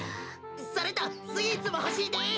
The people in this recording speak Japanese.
それとスイーツもほしいです。